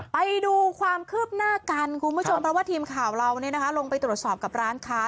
ไปดูความคืบหน้ากันคุณผู้ชมเพราะว่าทีมข่าวเราลงไปตรวจสอบกับร้านค้า